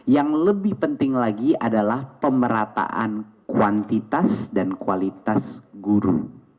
yang lebih penting lagi adalah pemerataan kuantitas dan kualitas guru